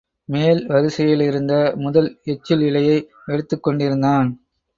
மேல் வரிசையிலிருந்த முதல் எச்சில் இலையை எடுத்துக் கொண்டிருந்தான்.